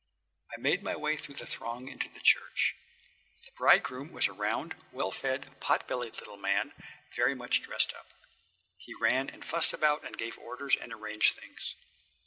I made my way through the throng into the church. The bridegroom was a round, well fed, pot bellied little man, very much dressed up. He ran and fussed about and gave orders and arranged things.